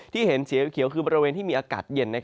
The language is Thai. เห็นสีเขียวคือบริเวณที่มีอากาศเย็น